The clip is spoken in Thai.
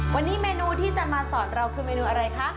วันนี้เมนูที่จะมาสอนเราคือเมนูอะไรคะ